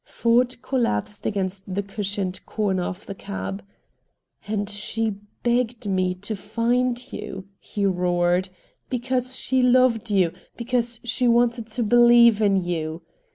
Ford collapsed against the cushioned corner of the cab. "And she begged me to find you," he roared, "because she LOVED you, because she wanted to BELIEVE in you!"